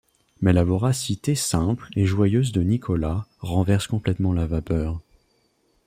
Mais la voracité simple et joyeuse de Nicolas renverse complètement la vapeur.